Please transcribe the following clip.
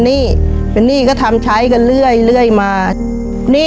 ชีวิตหนูเกิดมาเนี่ยอยู่กับดิน